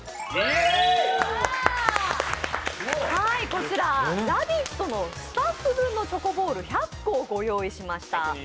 こちら、「ラヴィット！」のスタッフ分のチョコボール１００個をご用意しました。